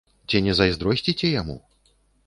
Ці не зайздросціце яму?